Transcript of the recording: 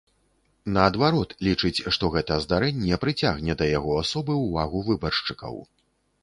Наадварот, лічыць, што гэта здарэнне прыцягне да яго асобы ўвагу выбаршчыкаў.